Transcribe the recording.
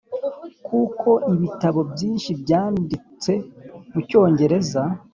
kuko ibitabo byinshi byanditse mu cyongereza.